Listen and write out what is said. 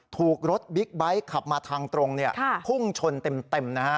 ถูกรถบิ๊กไบท์ขับมาทางตรงพุ่งชนเต็มนะฮะ